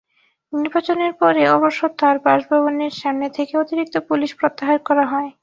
নির্বাচনের পরে অবশ্য তাঁর বাসভবনের সামনে থেকে অতিরিক্ত পুলিশ প্রত্যাহার করা হয়।